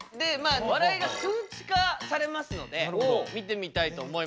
笑いが数値化されますので見てみたいと思います。